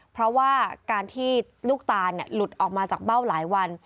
เพราะว่าการที่ลูกตาลหลุดออกมาจากเบ้าหลายวัน